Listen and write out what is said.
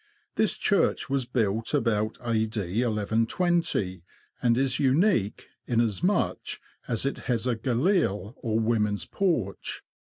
This church was built about AD. 11 20, and is unique, inasmuch as it has a galille, or women's porch.